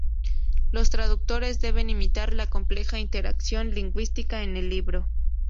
Los traductores deben imitar la compleja interacción lingüística en el libro.